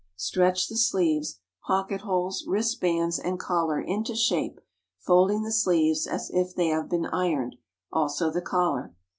Stretch the sleeves, pocket holes, wristbands, and collar into shape, folding the sleeves as if they had been ironed, also the collar.